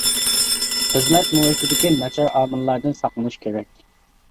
خىزمەت مۇھىتىدىكى ناچار ئامىللاردىن ساقلىنىش كېرەك.